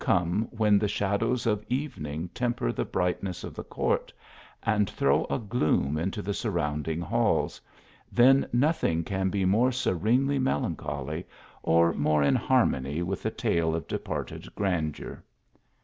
come when the shadows of evening temper the brightness of the court and throw a gloom into the surrounding halls, then nothing can be more se renely melancholy, or more in harmony with the tale of departed grandeur.